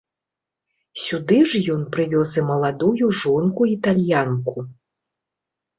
Сюды ж ён прывёз і маладую жонку-італьянку.